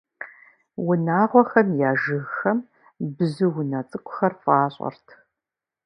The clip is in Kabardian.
Унагъуэхэм я жыгхэм бзу унэ цӀыкӀухэр фӀащӀэрт.